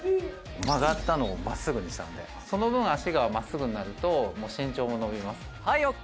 「曲がったのを真っすぐにしたのでその分脚が真っすぐになると身長も伸びます」